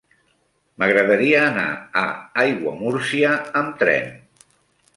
M'agradaria anar a Aiguamúrcia amb tren.